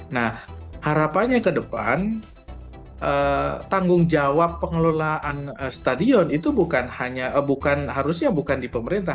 nah harapannya ke depan tanggung jawab pengelolaan stadion itu harusnya bukan di pemerintah